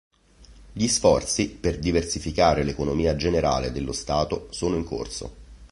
Gli sforzi per diversificare l'economia generale dello Stato sono in corso.